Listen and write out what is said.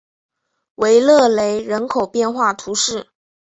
维勒雷人口变化图示